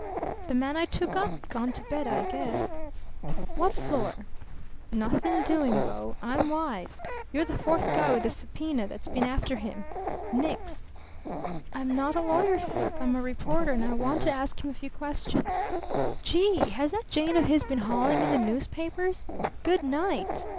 "The man I took up? Gone to bed, I guess." "What floor?" "Nothing doing, bo. I'm wise. You're the fourth guy with a subpoena that's been after him. Nix." "I'm not a lawyer's clerk. I'm a reporter, and I want to ask him a few questions." "Gee! Has that Jane of his been hauling in the newspapers? Good night!